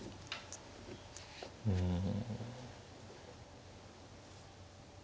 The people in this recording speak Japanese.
うん。